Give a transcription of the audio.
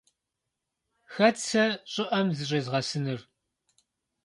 Хэт сэ щӀыӀэм зыщӀезгъэсынур?